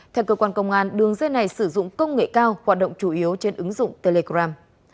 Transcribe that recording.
theo cơ quan công an đường dây này sử dụng công nghệ cao hoạt động chủ yếu trên ứng dụng telegram